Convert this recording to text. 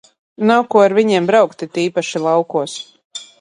Nav ar ko viņiem braukt, it īpaši laukos.